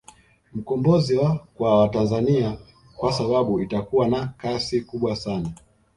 Mkombozi wa Kwa watanzania kwa sababu itakua na kasi kubwa sana